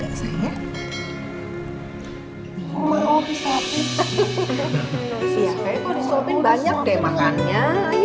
iya kayaknya kalau disuapin banyak deh makannya